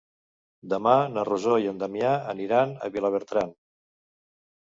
Demà na Rosó i en Damià aniran a Vilabertran.